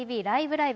ライブ！」